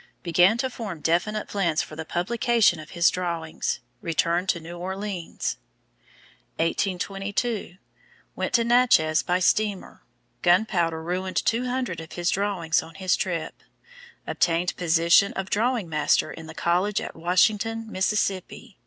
Began to form definite plans for the publication of his drawings. Returned to New Orleans. 1822 Went to Natchez by steamer. Gunpowder ruined two hundred of his drawings on this trip. Obtained position of Drawing master in the college at Washington, Mississippi.